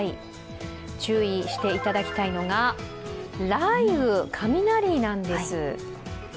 注意していただきたいのが雷雨、雷なんです。